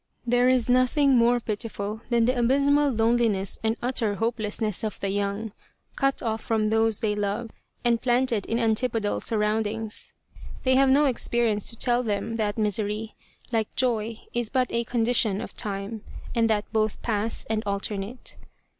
There is nothing more pitiful than the abysmal loneliness and utter hopelessness of the young, cut off from those they love, and planted in antipodal surroundings ; they have no experience to tell them that misery, like joy, is but a condition of time, andj ; that both pass and alternate.